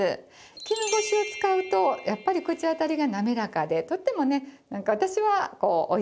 絹ごしを使うとやっぱり口当たりがなめらかでとってもねなんか私はおいしいなと思うんですね。